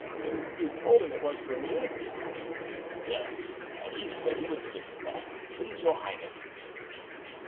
"You told him it was for me?" "Yes, and he said he would do his best to please your highness."